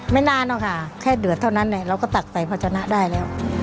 นานนะคะแค่เดือดเท่านั้นเราก็ตักใส่ภาชนะได้แล้ว